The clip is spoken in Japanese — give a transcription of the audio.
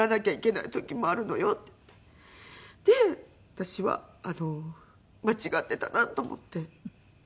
で私は間違っていたなと思って。